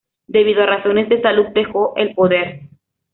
Debido a razones de salud, dejó el poder.